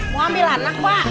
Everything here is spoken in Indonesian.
mau ambil anak pak